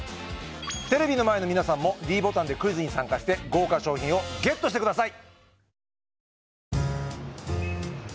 テレビの前の皆さんもｄボタンでクイズに参加して豪華賞品をＧＥＴしてください